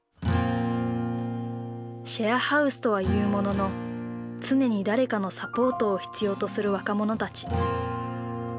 シェアハウスとはいうものの常に誰かのサポートを必要とする若者たち。